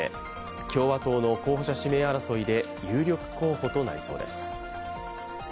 共和党の候補者指名争いで有力候補となりそうです。